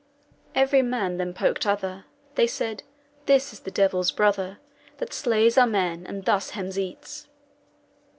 "Every man then poked other; They said, 'This is the devil's brother, That slays our men, and thus hem eats!'